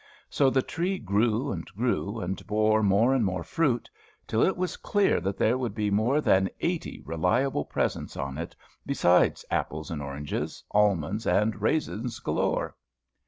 So the tree grew and grew, and bore more and more fruit, till it was clear that there would be more than eighty reliable presents on it, besides apples and oranges, almonds and raisins galore.